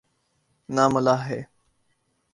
نہ ملاح ہے۔